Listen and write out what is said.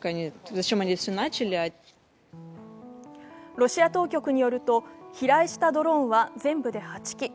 ロシア当局によると、飛来したドローンは全部で８機。